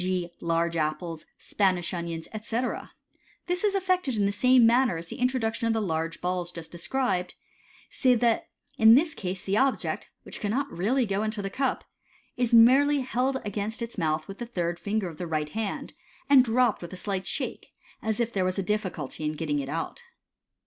g., large apples, Spanish onions, etc This is effected in the same manner as the introduction of the large balls just described, save that in this case the object, which cannot really go into the cup, is merely held against its mouth with the third finger 202 MODERN MAGIC. of the right hand, and dropped with a slight shake, as if there a as a difficulty in getting it out.